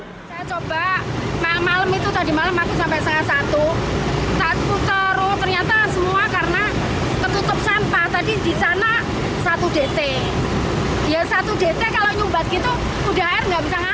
satu dt ya satu dt kalau nyumbat gitu udah air nggak bisa ngalir